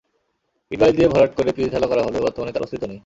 ইট-বালি দিয়ে ভরাট করে পিচঢালা করা হলেও বর্তমানে তার অস্থিত্ব নেই।